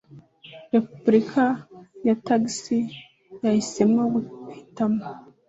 repubulika ya texas yahisemo guhitamo